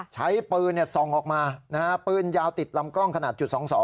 ใช้ปืนส่องออกมาปืนยาวติดลำกล้องขนาดจุด๒๒